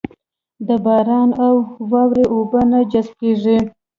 چې د باران او واورې اوبه نه جذب کېږي.